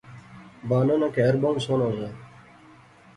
بانو نا کہر بہوں سوہنا زا